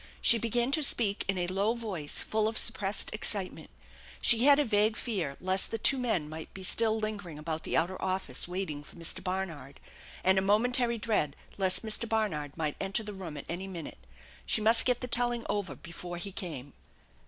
She began to speak in a low voice full of suppressed excitement. She had a vague fear lest the two men might be still lingering about the outer office, waiting for Mr. Barnard, and a momentary dread lest Mr. Barnard might enter the room at any minute. She must get the telling over before he came.